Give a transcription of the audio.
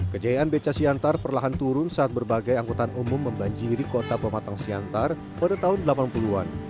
kejayaan beca siantar perlahan turun saat berbagai angkutan umum membanjiri kota pematang siantar pada tahun delapan puluh an